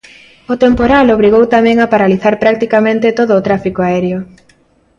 O temporal obrigou tamén a paralizar practicamente todo o tráfico aéreo.